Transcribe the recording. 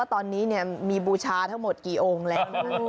ตอนนี้มีบูชาทั้งหมดกี่องค์แล้ว